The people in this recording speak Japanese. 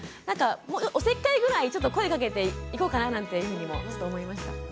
おせっかいぐらいちょっと声かけていこうかななんていうふうにもちょっと思いました。